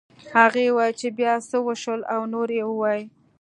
هغې وویل چې بيا څه وشول او نور یې ووایه